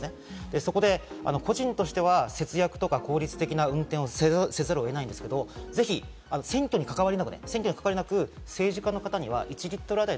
そこで個人としては節約とか効率的な運転をせざるを得ないんですけど、ぜひ、選挙に関わりなく政治家の方には１リットルあたり